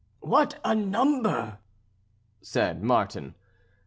"What a number!" said Martin.